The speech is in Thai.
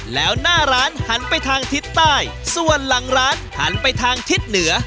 แล้วหน้าร้านหันไปทางทิศใต้ส่วนหลังร้านหันไปทางทิศเหนือ